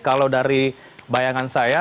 kalau dari bayangan saya